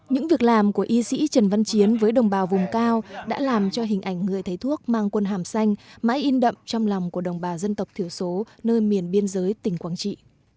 những việc làm của y sĩ trần văn chiến với đồng bào vùng cao đã làm cho hình ảnh người thấy thuốc mang quân hàm xanh mãi in đậm trong lòng của đồng bào dân tộc thiểu số nơi miền biên giới tỉnh quảng trị